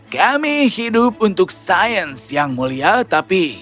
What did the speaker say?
kami hidup untuk sains yang mulia tapi